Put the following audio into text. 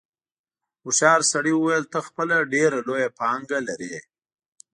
هوښیار سړي وویل ته خپله ډېره لویه پانګه لرې.